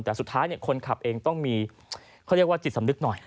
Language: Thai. แต่สุดท้ายคนขับเองต้องมีเขาเรียกว่าจิตสำนึกหน่อย